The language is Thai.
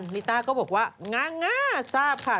ศรีริต้าก็บอกว่าง่าทราบค่ะ